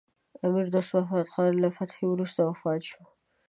امیر دوست محمد خان له فتحې وروسته وفات شو.